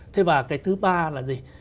thế và cái thứ ba là gì